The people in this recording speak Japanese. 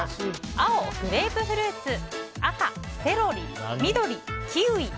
青、グレープフルーツ赤、セロリ緑、キウイ。